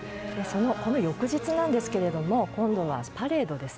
その翌日なんですけれども今度はパレードです。